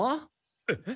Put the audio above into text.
えっ？